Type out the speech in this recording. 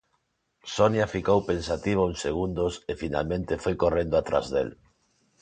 Sonia ficou pensativa uns segundos e finalmente foi correndo atrás del.